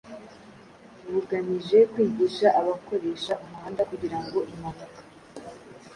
bugamije kwigisha abakoresha umuhanda kugira ngo impanuka